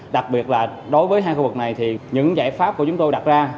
đặc biệt là đối với hai khu vực này thì những giải pháp của chúng tôi đặt ra